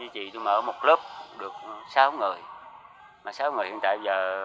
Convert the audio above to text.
có mười mấy